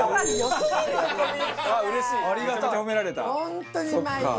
本当に、うまいよ。